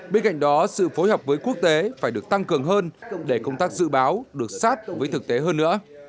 bên cạnh đó sự phối hợp với quốc tế phải được tăng cường hơn để công tác dự báo được sát với thực tế hơn nữa